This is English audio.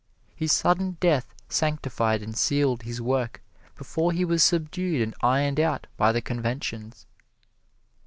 His sudden death sanctified and sealed his work before he was subdued and ironed out by the conventions.